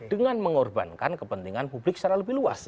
dengan mengorbankan kepentingan publik secara lebih luas